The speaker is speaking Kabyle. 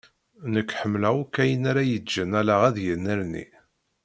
Nekk ḥemmleɣ akk ayen ara iǧǧen allaɣ ad yennerni.